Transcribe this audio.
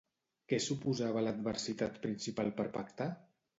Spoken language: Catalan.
Què suposava l'adversitat principal per pactar?